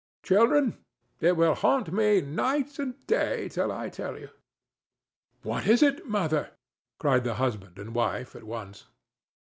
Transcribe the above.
Children, it will haunt me night and day till I tell you." "What is it, mother?" cried the husband and wife at once.